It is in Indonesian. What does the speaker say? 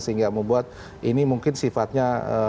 sehingga membuat ini mungkin sifatnya